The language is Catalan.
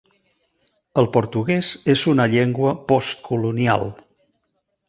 El portuguès és una llengua postcolonial.